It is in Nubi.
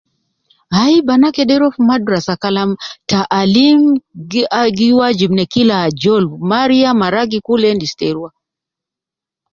Ayi banaa kede ruwa fu madrasa Kalam taalim gi wajib na Kila ajol. Mariya ma ragi endi ta ruwa